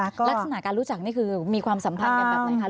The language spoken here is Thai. ลักษณะการรู้จักนี่คือมีความสัมพันธ์อย่างไร